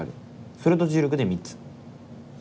それと重力で３つ。